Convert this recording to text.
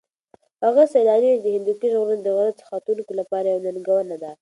هغه سېلاني وویل چې د هندوکش غرونه د غره ختونکو لپاره یوه ننګونه ده.